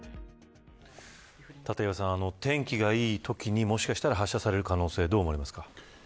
立岩さん天気がいいときにもしかしたら発射される可能性どう思われますか。